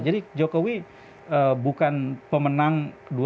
jadi jokowi bukan pemenang dua ribu dua puluh empat dua ribu dua puluh sembilan